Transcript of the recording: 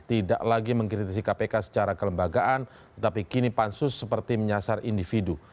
tidak lagi mengkritisi kpk secara kelembagaan tetapi kini pansus seperti menyasar individu